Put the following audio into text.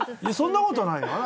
そんなことない。